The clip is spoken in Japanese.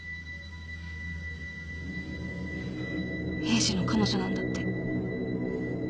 エイジの彼女なんだって。